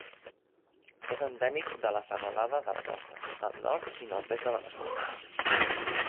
És endèmic de la Serralada de la Costa, al nord i nord-est de Veneçuela.